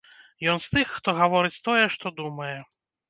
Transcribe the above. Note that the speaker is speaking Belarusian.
Ён з тых, хто гаворыць тое, што думае.